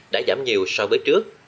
đã giảm nhiều so với trước